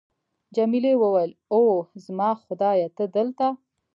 جميلې وويل:: اوه، زما خدایه، ته دلته!